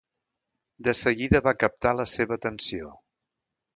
De seguida va captar la seva atenció.